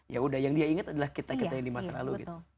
ya udah yang dia ingat adalah kita kita yang di masa lalu gitu